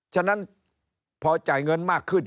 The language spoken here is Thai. ฉะนั้นพอจ่ายเงินมากขึ้น